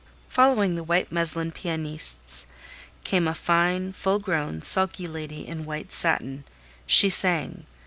Following the white muslin pianistes, came a fine, full grown, sulky lady in white satin. She sang.